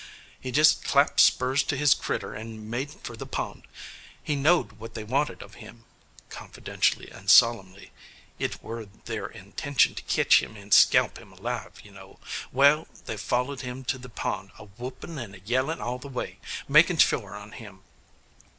He jist clapped spurs to his critter and made for the pond. He knowed what they wanted of him" confidentially and solemnly: "it were their intention to ketch him and scalp him alive, you know. Wal, they follered him to the pond, a whoopin' and a yellin' all the way, makin' shore on him.